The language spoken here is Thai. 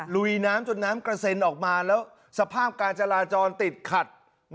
ลุยน้ำจนน้ำกระเซ็นออกมาแล้วสภาพการจราจรติดขัด